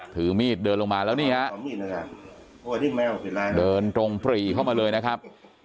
ถือมีดเดินลงมาแล้วนี่ฮะเดินตรงปรีเข้ามาเลยนะครับ